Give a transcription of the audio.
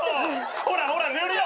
ほらほら塗るよ。